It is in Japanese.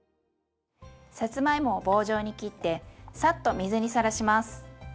さつまいもは棒状に切ってサッと水にさらします。